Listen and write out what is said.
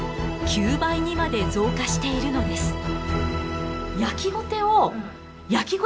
９倍にまで増加しているのです。